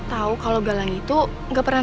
tau kalau galang itu gak pernah